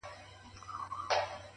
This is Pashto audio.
د زړه صفا د وجدان رڼا ده,